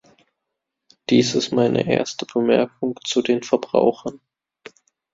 Dies ist meine erste Bemerkung zu den Verbrauchern.